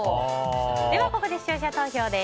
ここで視聴者投票です。